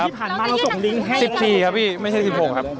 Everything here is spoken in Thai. สิบสิบทีที่ผ่านมาเราส่งลิงค์ให้สิบทีครับพี่ไม่ใช่สิบหกครับครับ